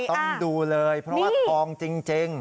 ต้องดูเลยเพราะว่าทองจริง